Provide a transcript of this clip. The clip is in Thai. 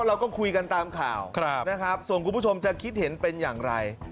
เราก็คุยกันตามข่าวนะครับส่วนคุณผู้ชมจะคิดเห็นเป็นอย่างไร